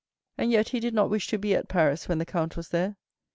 And yet he did not wish to be at Paris when the count was there.